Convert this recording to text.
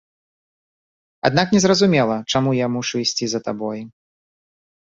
Аднак незразумела, чаму я мушу ісці за табой.